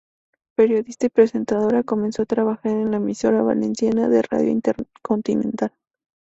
Periodista y presentadora, comenzó a trabajar en la emisora valenciana de Radio Intercontinental.